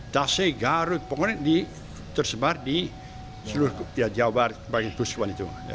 tase garut pokoknya ini tersebar di seluruh jawa bagian keuskapan itu